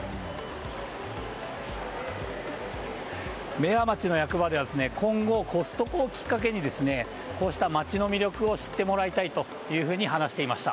明和町の役場では今後、コストコをきっかけにこうした街の魅力を知ってもらいたいというふうに話していました。